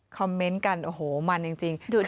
คอมเมนต์กันโอ้โหมันจริง